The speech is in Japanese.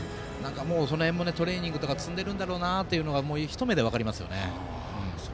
その辺もトレーニングとか積んでるんだろうなと一目で分かりますよね。